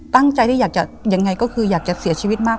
ตั้งใจที่อยากจะยังไงก็คืออยากจะเสียชีวิตมาก